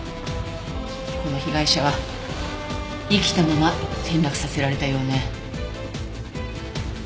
この被害者は生きたまま転落させられたようね。